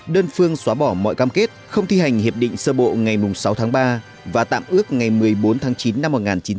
đơn phương xóa bỏ mọi cam kết không thi hành hiệp định sơ bộ ngày sáu tháng ba và tạm ước ngày một mươi bốn tháng chín năm một nghìn chín trăm bảy mươi